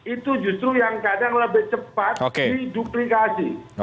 itu justru yang kadang lebih cepat diduplikasi